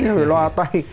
rồi loa tay